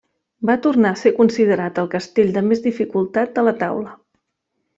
Va tornar a ser considerat el castell de més dificultat de la taula.